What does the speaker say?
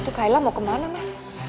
itu kaila mau kemana mas